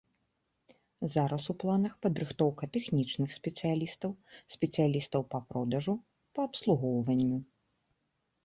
Зараз у планах падрыхтоўка тэхнічных спецыялістаў, спецыялістаў па продажу, па абслугоўванню.